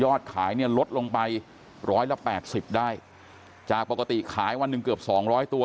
ขายเนี่ยลดลงไปร้อยละแปดสิบได้จากปกติขายวันหนึ่งเกือบสองร้อยตัว